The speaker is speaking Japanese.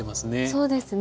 そうですね。